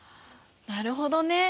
なるほどね。